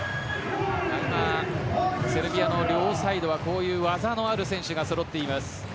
セルビアの両サイドはこういう技のある選手が揃っています。